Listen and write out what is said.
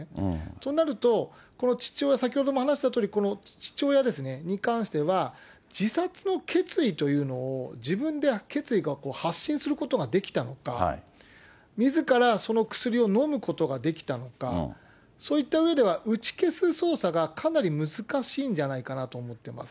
となると、この父親、先ほども話したとおり、この父親に関しては、自殺の決意というのを自分で決意が発信することができたのか、みずからその薬をのむことができたのか、そういったうえでは打ち消す捜査がかなり難しいんじゃないかなと思ってます。